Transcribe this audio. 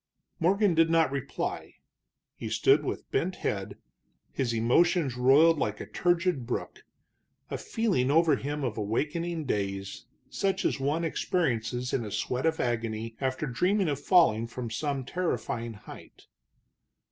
Morgan did not reply. He stood with bent head, his emotions roiled like a turgid brook, a feeling over him of awakening daze, such as one experiences in a sweat of agony after dreaming of falling from some terrifying height.